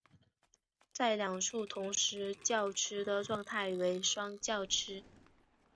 在两处同时叫吃的状态为双叫吃。